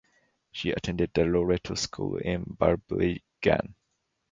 She attended the Loreto school in Balbriggan.